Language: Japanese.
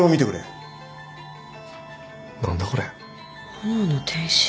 「炎の天使」？